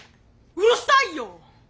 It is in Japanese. うるさいよ！